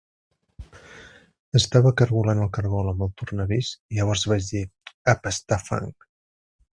Estava caragolant el caragol amb el tornavís, i llavors vaig dir: "A pastar fang".